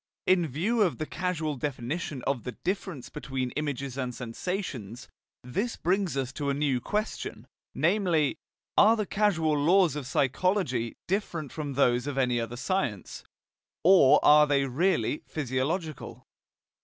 In view of the causal definition of the difference between images and sensations, this brings us to a new question, namely: Are the causal laws of psychology different from those of any other science, or are they really physiological?